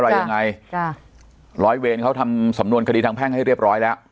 อะไรยังไงจ้ะร้อยเวรเขาทำสำนวนคดีทางแพ่งให้เรียบร้อยแล้ว